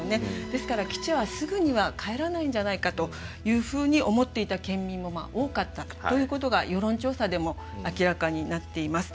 ですから基地はすぐには返らないんじゃないかというふうに思っていた県民も多かったということが世論調査でも明らかになっています。